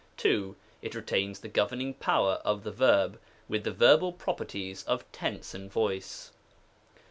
2. It retains the governing power of the verb, with the verbal properties of tense and voice.